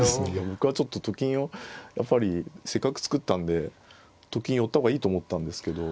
僕はちょっとと金をやっぱりせっかく作ったんでと金寄った方がいいと思ったんですけど。